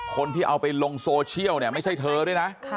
คนที่เอาไปลงโซเชียลเนี่ยไม่ใช่เธอด้วยนะ